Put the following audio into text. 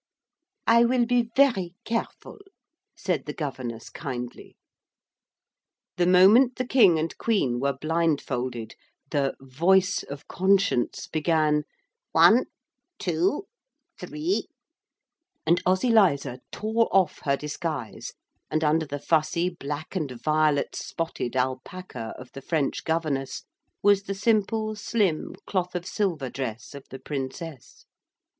'I will be very careful,' said the governess kindly. The moment the King and Queen were blindfolded, the 'voice of conscience' began, 'one, two, three,' and Ozyliza tore off her disguise, and under the fussy black and violet spotted alpaca of the French governess was the simple slim cloth of silver dress of the Princess.